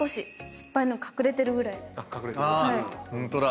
あホントだ。